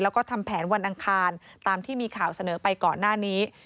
แล้วก็ทำแผนวันอังคารตามที่มีข่าวเสนอไปก่อนหน้านี้